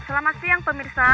selamat siang pemirsa